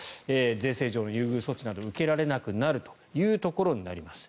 税制上の優遇措置などを受けられなくなるということになります。